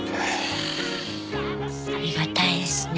ありがたいですね。